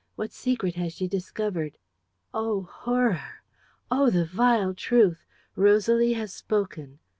What secret has she discovered? "Oh, horror! Oh, the vile truth! Rosalie has spoken.